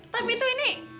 tapi tuh ini